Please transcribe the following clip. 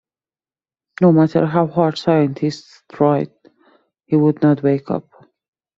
No matter how hard scientists tried, he would not wake up.